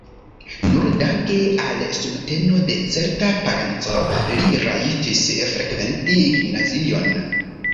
Nur danke al subteno de certa parenco li rajtis frekventi gimnazion.